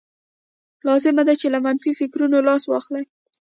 لازمه ده چې له منفي فکرونو لاس واخلئ